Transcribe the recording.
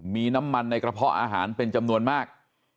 มีน้ำมันในกระเพาะอาหารเป็นจำนวนมาก